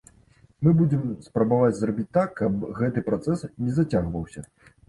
Мы будзем спрабаваць зрабіць так, каб гэты працэс не зацягваўся.